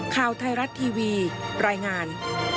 ข่าวไทยรัฐทีวีรายงาน